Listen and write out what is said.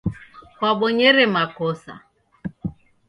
Kwabonyere makosa.